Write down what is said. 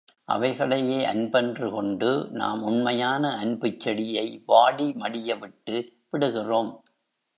அவைகளையே அன்பென்று கொண்டு நாம் உண்மையான அன்புச் செடியை வாடி மடியவிட்டு விடுகிறோம்.